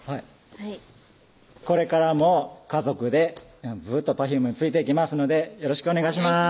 はいこれからも家族でずっとＰｅｒｆｕｍｅについていきますのでよろしくお願いします